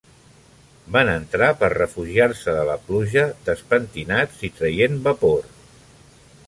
Van entrar per refugiar-se de la pluja, despentinats i traient vapor.